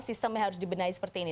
sistemnya harus dibenahi seperti ini